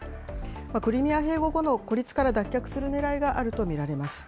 クリミア併合後の孤立から脱却するねらいがあると見られます。